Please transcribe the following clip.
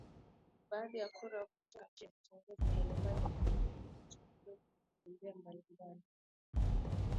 baadhi za kura kutoka miji na vitongoji mbalimbali zimepunguzwa au zimeongezwa kwa wagombea mbalimbali